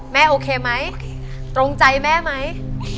แม่โอเคไหมตรงใจแม่ไหม